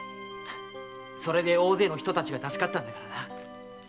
それで大勢の人たちが助かったんだからな。